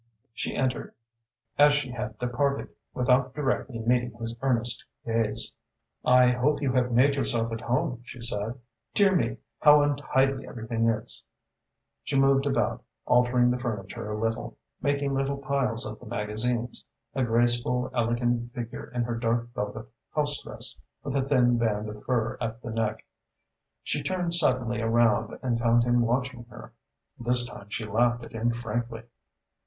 She entered, as she had departed, without directly meeting his earnest gaze. "I hope you have made yourself at home," she said. "Dear me, how untidy everything is!" She moved about, altering the furniture a little, making little piles of the magazines, a graceful, elegant figure in her dark velvet house dress, with a thin band of fur at the neck. She turned suddenly around and found him watching her. This time she laughed at him frankly.